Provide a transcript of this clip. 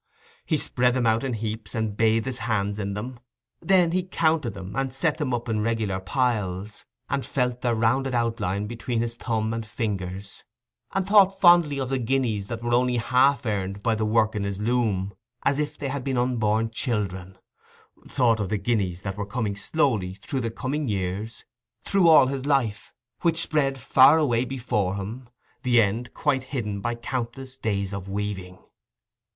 He spread them out in heaps and bathed his hands in them; then he counted them and set them up in regular piles, and felt their rounded outline between his thumb and fingers, and thought fondly of the guineas that were only half earned by the work in his loom, as if they had been unborn children—thought of the guineas that were coming slowly through the coming years, through all his life, which spread far away before him, the end quite hidden by countless days of weaving.